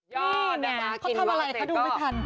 ยี่เนี่ยเขาทำอะไรถ้าดูไม่ทัน